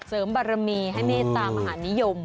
เสริมบารมีให้เมตตามหานิยม